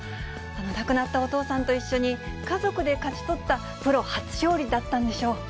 亡くなったお父さんと一緒に、家族で勝ち取ったプロ初勝利だったんでしょう。